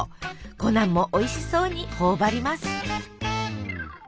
コナンもおいしそうに頬張ります。